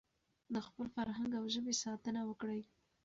د خپل فرهنګ او ژبې ساتنه وکړئ.